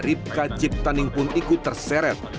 ripka ciptaning pun ikut terseret